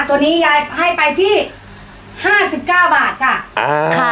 ตัวนี้ให้ไปที่๕๙บาท